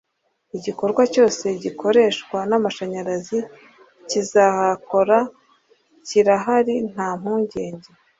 igikorwa cyose gikoreshwa n’amashanyarazi kizahakora kirahari nta mpungenge